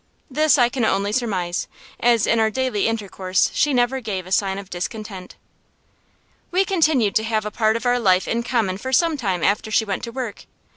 This I can only surmise, as in our daily intercourse she never gave a sign of discontent. We continued to have part of our life in common for some time after she went to work.